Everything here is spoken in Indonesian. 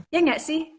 ya nggak sih